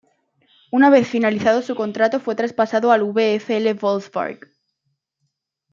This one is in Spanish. Una vez finalizado su contrato fue traspasado al VfL Wolfsburg.